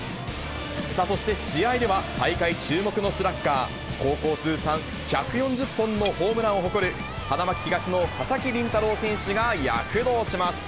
そして試合では、大会注目のスラッガー、高校通算１４０本のホームランを誇る、花巻東の佐々木麟太郎選手が躍動します。